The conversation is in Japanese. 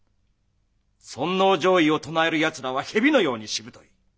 尊皇攘夷を唱えるやつらは蛇のようにしぶとい。